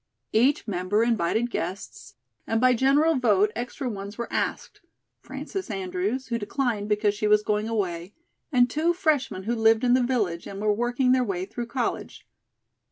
Each member invited guests, and by general vote extra ones were asked: Frances Andrews, who declined because she was going away, and two freshmen who lived in the village, and were working their way through college.